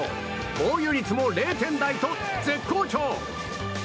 防御率も０点台と絶好調。